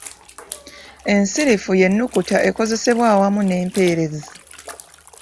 ‘Ensirifu y'ennukuta ekozesebwa awamu n'empeerezi.